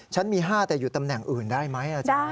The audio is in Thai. มี๕แต่อยู่ตำแหน่งอื่นได้ไหมอาจารย์